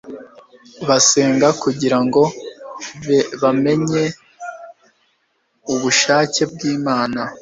basenga kugira ngo bemenye ubushake bw'Imana